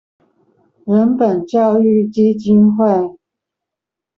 人本教育基金會